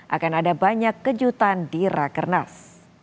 akan ada banyak kejutan di rakernas